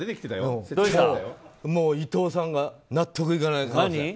伊藤さんが納得いかないって。